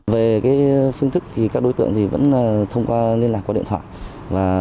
về phương thức thì các đối tượng vẫn thông qua liên lạc qua điện thoại